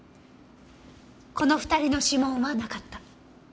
この２人の指紋はなかった。